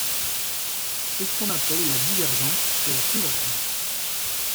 C’est ce qu’on appelle la divergence et la convergence.